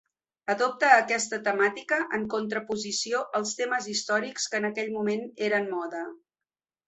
Adopta aquesta temàtica en contraposició als temes històrics, que en aquell moment eren moda.